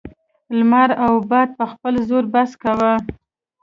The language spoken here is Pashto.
لمر او باد په خپل زور بحث کاوه.